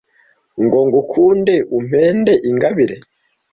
Ngo ngukunde umpunde ingabire